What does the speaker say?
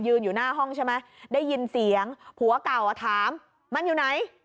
อยู่หน้าห้องใช่ไหมได้ยินเสียงผัวเก่าอ่ะถามมันอยู่ไหน